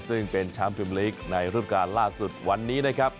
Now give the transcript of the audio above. ซึ่งเป็นแชมป์พิมพ์ลีกในรูปการณ์ล่าสุดวันนี้นะครับ